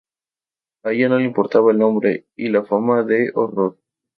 A ella no le importaba el nombre y la fama de Horror.